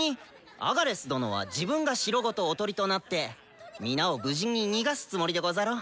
アガレス殿は自分が城ごとおとりとなって皆を無事に逃がすつもりでござろう？